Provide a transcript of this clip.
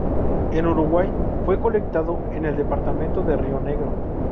En Uruguay fue colectado en el departamento de Río Negro.